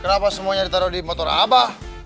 kenapa semuanya ditaruh di motor abah